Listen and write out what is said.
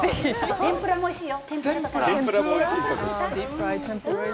天ぷらもおいしいよ！